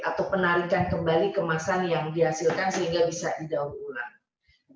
atau penarikan kembali kemasan yang dihasilkan sehingga bisa didaur ulang